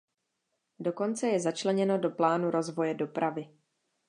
Dokonce je začleněno do plánu rozvoje dopravy.